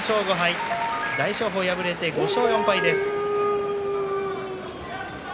大翔鵬、敗れて５勝４敗。